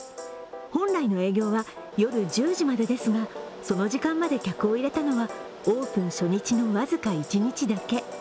本来の営業は夜１０時までですが、その時間まで客を入れたのは、オープン初日の僅か一日だけ。